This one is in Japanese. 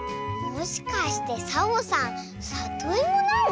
もしかしてサボさんさといもなの？